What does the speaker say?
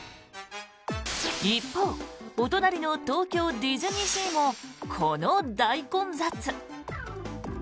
一方お隣の東京ディズニーシーもこの大混雑。